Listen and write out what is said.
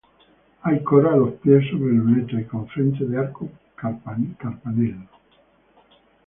Hay coro a los pies sobre lunetos y con frente de arco carpanel.